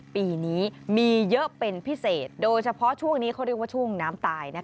ปีนี้มีเยอะเป็นพิเศษโดยเฉพาะช่วงนี้เขาเรียกว่าช่วงน้ำตาย